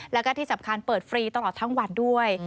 แล้วก็ที่สำคัญเปิดฟรีตลอดทั้งวันด้วย